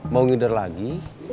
mau ngider lagi